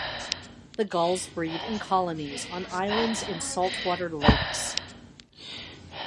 The gulls breed in colonies on islands in saltwater lakes.